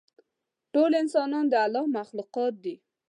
ټول انسانان د الله مخلوقات دي.